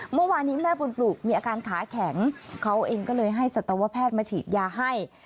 เมื่อวานนี้แม่บุญปลูกมีอาการขาแข็งเขาเองก็เลยให้สัตวแพทย์มาฉีดยาให้